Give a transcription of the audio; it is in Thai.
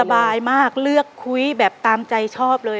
สบายมากเลือกคุยแบบตามใจชอบเลย